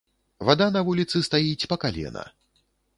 Вада на вуліцы стаіць па калена.